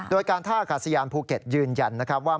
โดยการท่ากาศยานภูเก็ตยืนยันว่า